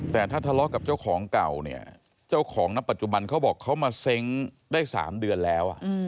แต่ถ้าทะเลาะกับเจ้าของเก่าเนี่ยเจ้าของณปัจจุบันเขาบอกเขามาเซ้งได้๓เดือนแล้ว